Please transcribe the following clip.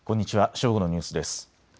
正午のニュースです。